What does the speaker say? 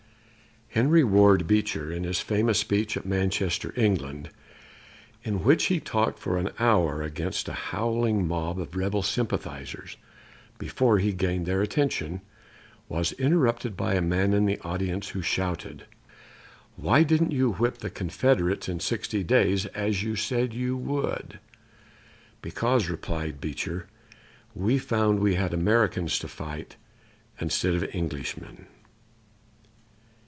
Henry Ward Beecher, in his famous speech at Manchester, England, in which he talked for an hour against a howling mob of Rebel sympathizers before he gained their attention, was interrupted by a man in the audience who shouted: "Why didn't you whip the Confederates in sixty days, as you said you would?" "Because," replied Beecher, "we found we had Americans to fight instead of Englishmen."